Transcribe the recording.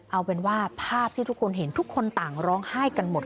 เอาเป็นว่าภาพที่ทุกคนเห็นทุกคนต่างร้องไห้กันหมด